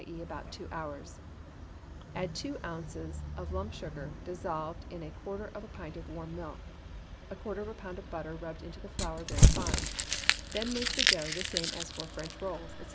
e., about two hours: add two ounces of lump sugar, dissolved in a quarter of a pint of warm milk, a quarter of a pound of butter rubbed into the flour very fine, then make the dough the same as for French rolls, &c.